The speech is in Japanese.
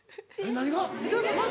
何が？